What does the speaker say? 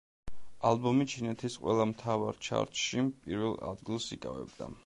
ალბომი ჩინეთის ყველა მთავარ ჩარტში პირველ ადგილს იკავებდა.